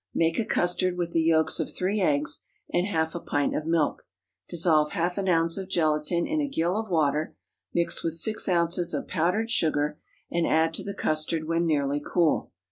Make a custard with the yolks of three eggs and half a pint of milk; dissolve half an ounce of gelatine in a gill of water, mix with six ounces of powdered sugar, and add to the custard when nearly cool.